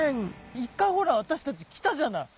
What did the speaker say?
一回ほら私たち来たじゃない。